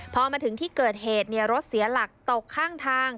พอมาถึงที่เกิดเหตุรถเสียหลักตกข้างทาง